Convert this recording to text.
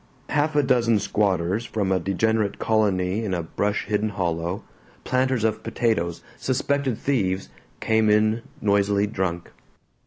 Half a dozen squatters from a degenerate colony in a brush hidden hollow, planters of potatoes, suspected thieves, came in noisily drunk.